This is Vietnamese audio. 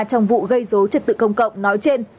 trong vụ gây rối trực tự công cộng nói trên